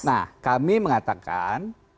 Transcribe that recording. nah kami mengatakan